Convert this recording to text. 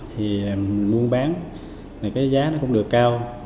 thì mua bán cái giá nó cũng được cao